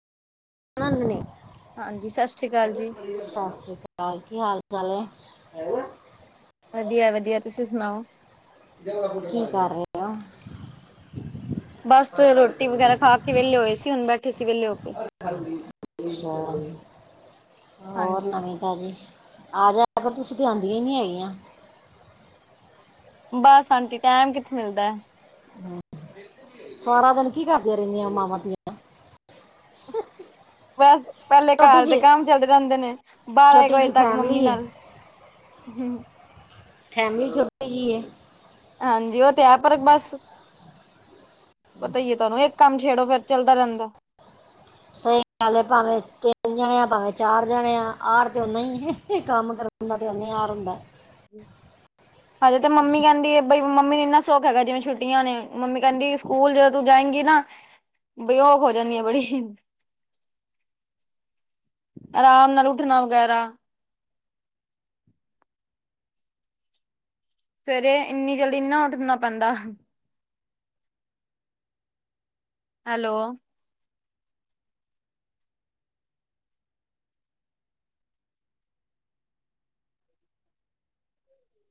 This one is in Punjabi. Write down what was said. ਆਨੰਦ ਨੇ ਹਾਂਜੀ ਸਤਿ ਸ਼੍ਰੀ ਅਕਾਲ ਜੀ ਸਤਿ ਸ੍ਰੀ ਅਕਾਲ। ਕੀ ਹਾਲ ਚਾਲ ਏ? ਵਧੀਆ-ਵਧੀਆ ਤੁਸੀਂ ਸੁਣਾਓ? ਕੀ ਕਰ ਰਹੇ ਓ? ਬਸ ਰੋਟੀ ਵਗੈਰਾ ਖਾ ਕੇ ਵਿਹਲੇ ਹੋਏ ਸੀ ਹੁਣ ਬੈਠੇ ਸੀ ਵਿਹਲੇ ਹੋ ਕੇ ਅੱਛਾ ਹੋਰ ਹਾਂਜੀ ਨਵੀਂ ਤਾਜੀ। ਆ ਜਾਏਯਾ ਕਰੋ ਤੁਸੀਂ ਤੇ ਆਦੀਆਂ ਨਹੀਂ ਹੈਗੀਆਂ। ਬਸ ਆਂਟੀ ਟੈਮ ਕਿੱਥੇ ਮਿਲਦਾ। ਸਾਰਾ ਦਿਨ ਕੀ ਕਰਦੀਆਂ ਰਹਿੰਦੀਆਂ ਮਾਵਾਂ ਧੀਆਂ। ਬਸ ਪਹਿਲੇ ਛੋਟੀ ਘਰ ਦੇ ਜੀ ਕੰਮ ਚੱਲਦੇ ਰਹਿੰਦੇ ਨੇ ਬਾਰਾਂ ਇੱਕ ਛੋਟੀ ਵਜੇ ਜੀ ਤੱਕ ਮੰਮੀ ਫੈਮਿਲੀ ਹੈ ਨਾਲ ਹੂੰ। ਫੈਮਲੀ ਛੋਟੀ ਜੀ ਏ ਹਾਂਜੀ ਉਹ ਤੇ ਹੈ ਪਰ ਬਸ ਪਤਾ ਹੀ ਏ ਤੁਹਾਨੂੰ ਇੱਕ ਕੰਮ ਛੇੜੋ ਫੇਿਰ ਚੱਲਦਾ ਰਹਿੰਦਾ। ਸਹੀ ਗ ਭਾਵੇਂ ਤਿੰਨ ਜਾਣੇ ਆ। ਭਾਵੇਂ ਚਾਰ ਜਾਣੇ ਆ। ਆਰ ਤੇ ਨਾ ਹੀ ਕੰਮ ਕਰ ਮੜ ਉਹਨੇ ਵਾਰ ਹੁੰਦਾ। ਹਾਂਜੇ, ਤੇ ਮੰਮੀ ਕਹਿੰਦੀ ਐ। ਬਈ ਮੰਮੀ ਨੇ ਇੰਨਾ ਸੁਖ ਹੈਗਾ ਜਿਵੇਂ ਛੁੱਟੀਆਂ ਨੇ ਮੰਮੀ ਕਹਿੰਦੀ ਸਕੂਲ ਜਦੋਂ ਤੂੰ ਜਾਏਗੀ ਨਾ ਬਈ ਹੋ ਜਾਂਣੀ ਏ ਬੜੀ [inaudible] ਆਰਾਮ ਨਾਲ ਉੱਠਣਾ ਵਗੈਰਾ ਫੇਰ ਇਹ ਇੰਨੀ ਜਲਦੀ ਨਾ ਉੱਠਣਾ ਪੈਂਦਾ। ਹੈਲੋ